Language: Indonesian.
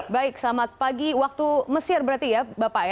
baik selamat pagi waktu mesir berarti ya bapak ya